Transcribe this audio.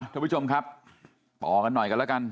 ทุกผู้ชมครับต่อกันหน่อยกันแล้วกัน